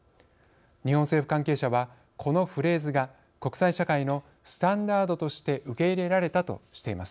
日本政府関係者はこのフレーズが国際社会のスタンダードとして受け入れられたとしています。